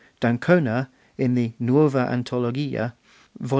D'Ancona, in the Nuova Antologia (vol.